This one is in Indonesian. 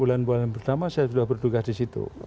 bulan bulan pertama saya sudah berduga di situ